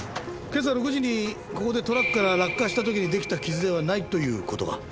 今朝６時にここでトラックから落下した時に出来た傷ではないという事か。